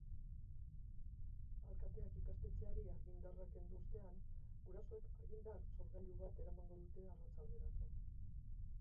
Alkateak ikastetxeari argindarra kendu ostean, gurasoek argindar sorgailu bat eramango dute arratsalderako.